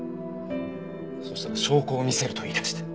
そしたら証拠を見せると言い出して。